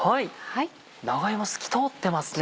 長芋透き通ってますね。